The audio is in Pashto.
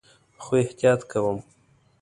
خو احتیاط کوم